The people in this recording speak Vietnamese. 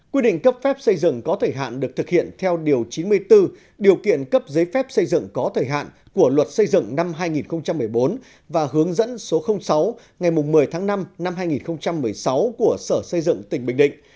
quy định cấp phép xây dựng có thời hạn được thực hiện theo điều chín mươi bốn điều kiện cấp giấy phép xây dựng có thời hạn của luật xây dựng năm hai nghìn một mươi bốn và hướng dẫn số sáu ngày một mươi tháng năm năm hai nghìn một mươi sáu của sở xây dựng tỉnh bình định